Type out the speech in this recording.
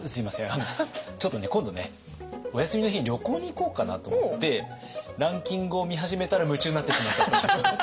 あのちょっとね今度ねお休みの日に旅行に行こうかなと思ってランキングを見始めたら夢中になってしまったんです。